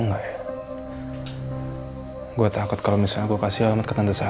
memang selama suami based pamel adopting ke tilik